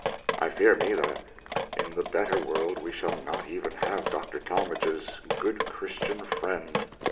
I fear me that in the better world we shall not even have Dr. Talmage's "good Christian friend."